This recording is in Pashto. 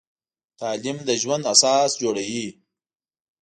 تعلیم د ژوند اساس جوړوي.